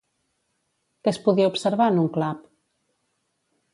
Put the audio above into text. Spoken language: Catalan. Què es podia observar en un clap?